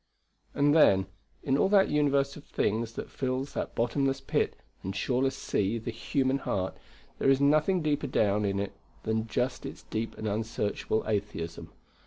And, then, in all that universe of things that fills that bottomless pit and shoreless sea the human heart, there is nothing deeper down in it than just its deep and unsearchable atheism.